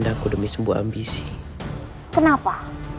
kau akan memberlukan pesannya